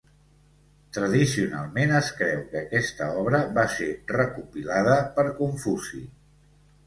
Tradicionalment es creu que aquesta obra va ser recopilada per Confuci.